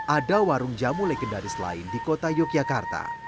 ada warung jamu legendaris lain di kota yogyakarta